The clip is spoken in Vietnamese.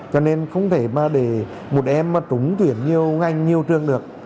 cho nên không thể mà để một em mà trúng tuyển nhiều ngành nhiều trường được